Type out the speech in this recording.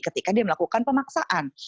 ketika dia melakukan pemaksaan